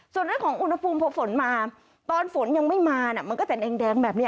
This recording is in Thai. ส่วนด้วยของอุณหภูมิพอฝนมาตอนฝนยังไม่มามันก็เป็นแองแดงแบบนี้